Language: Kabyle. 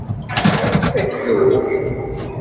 Akluc!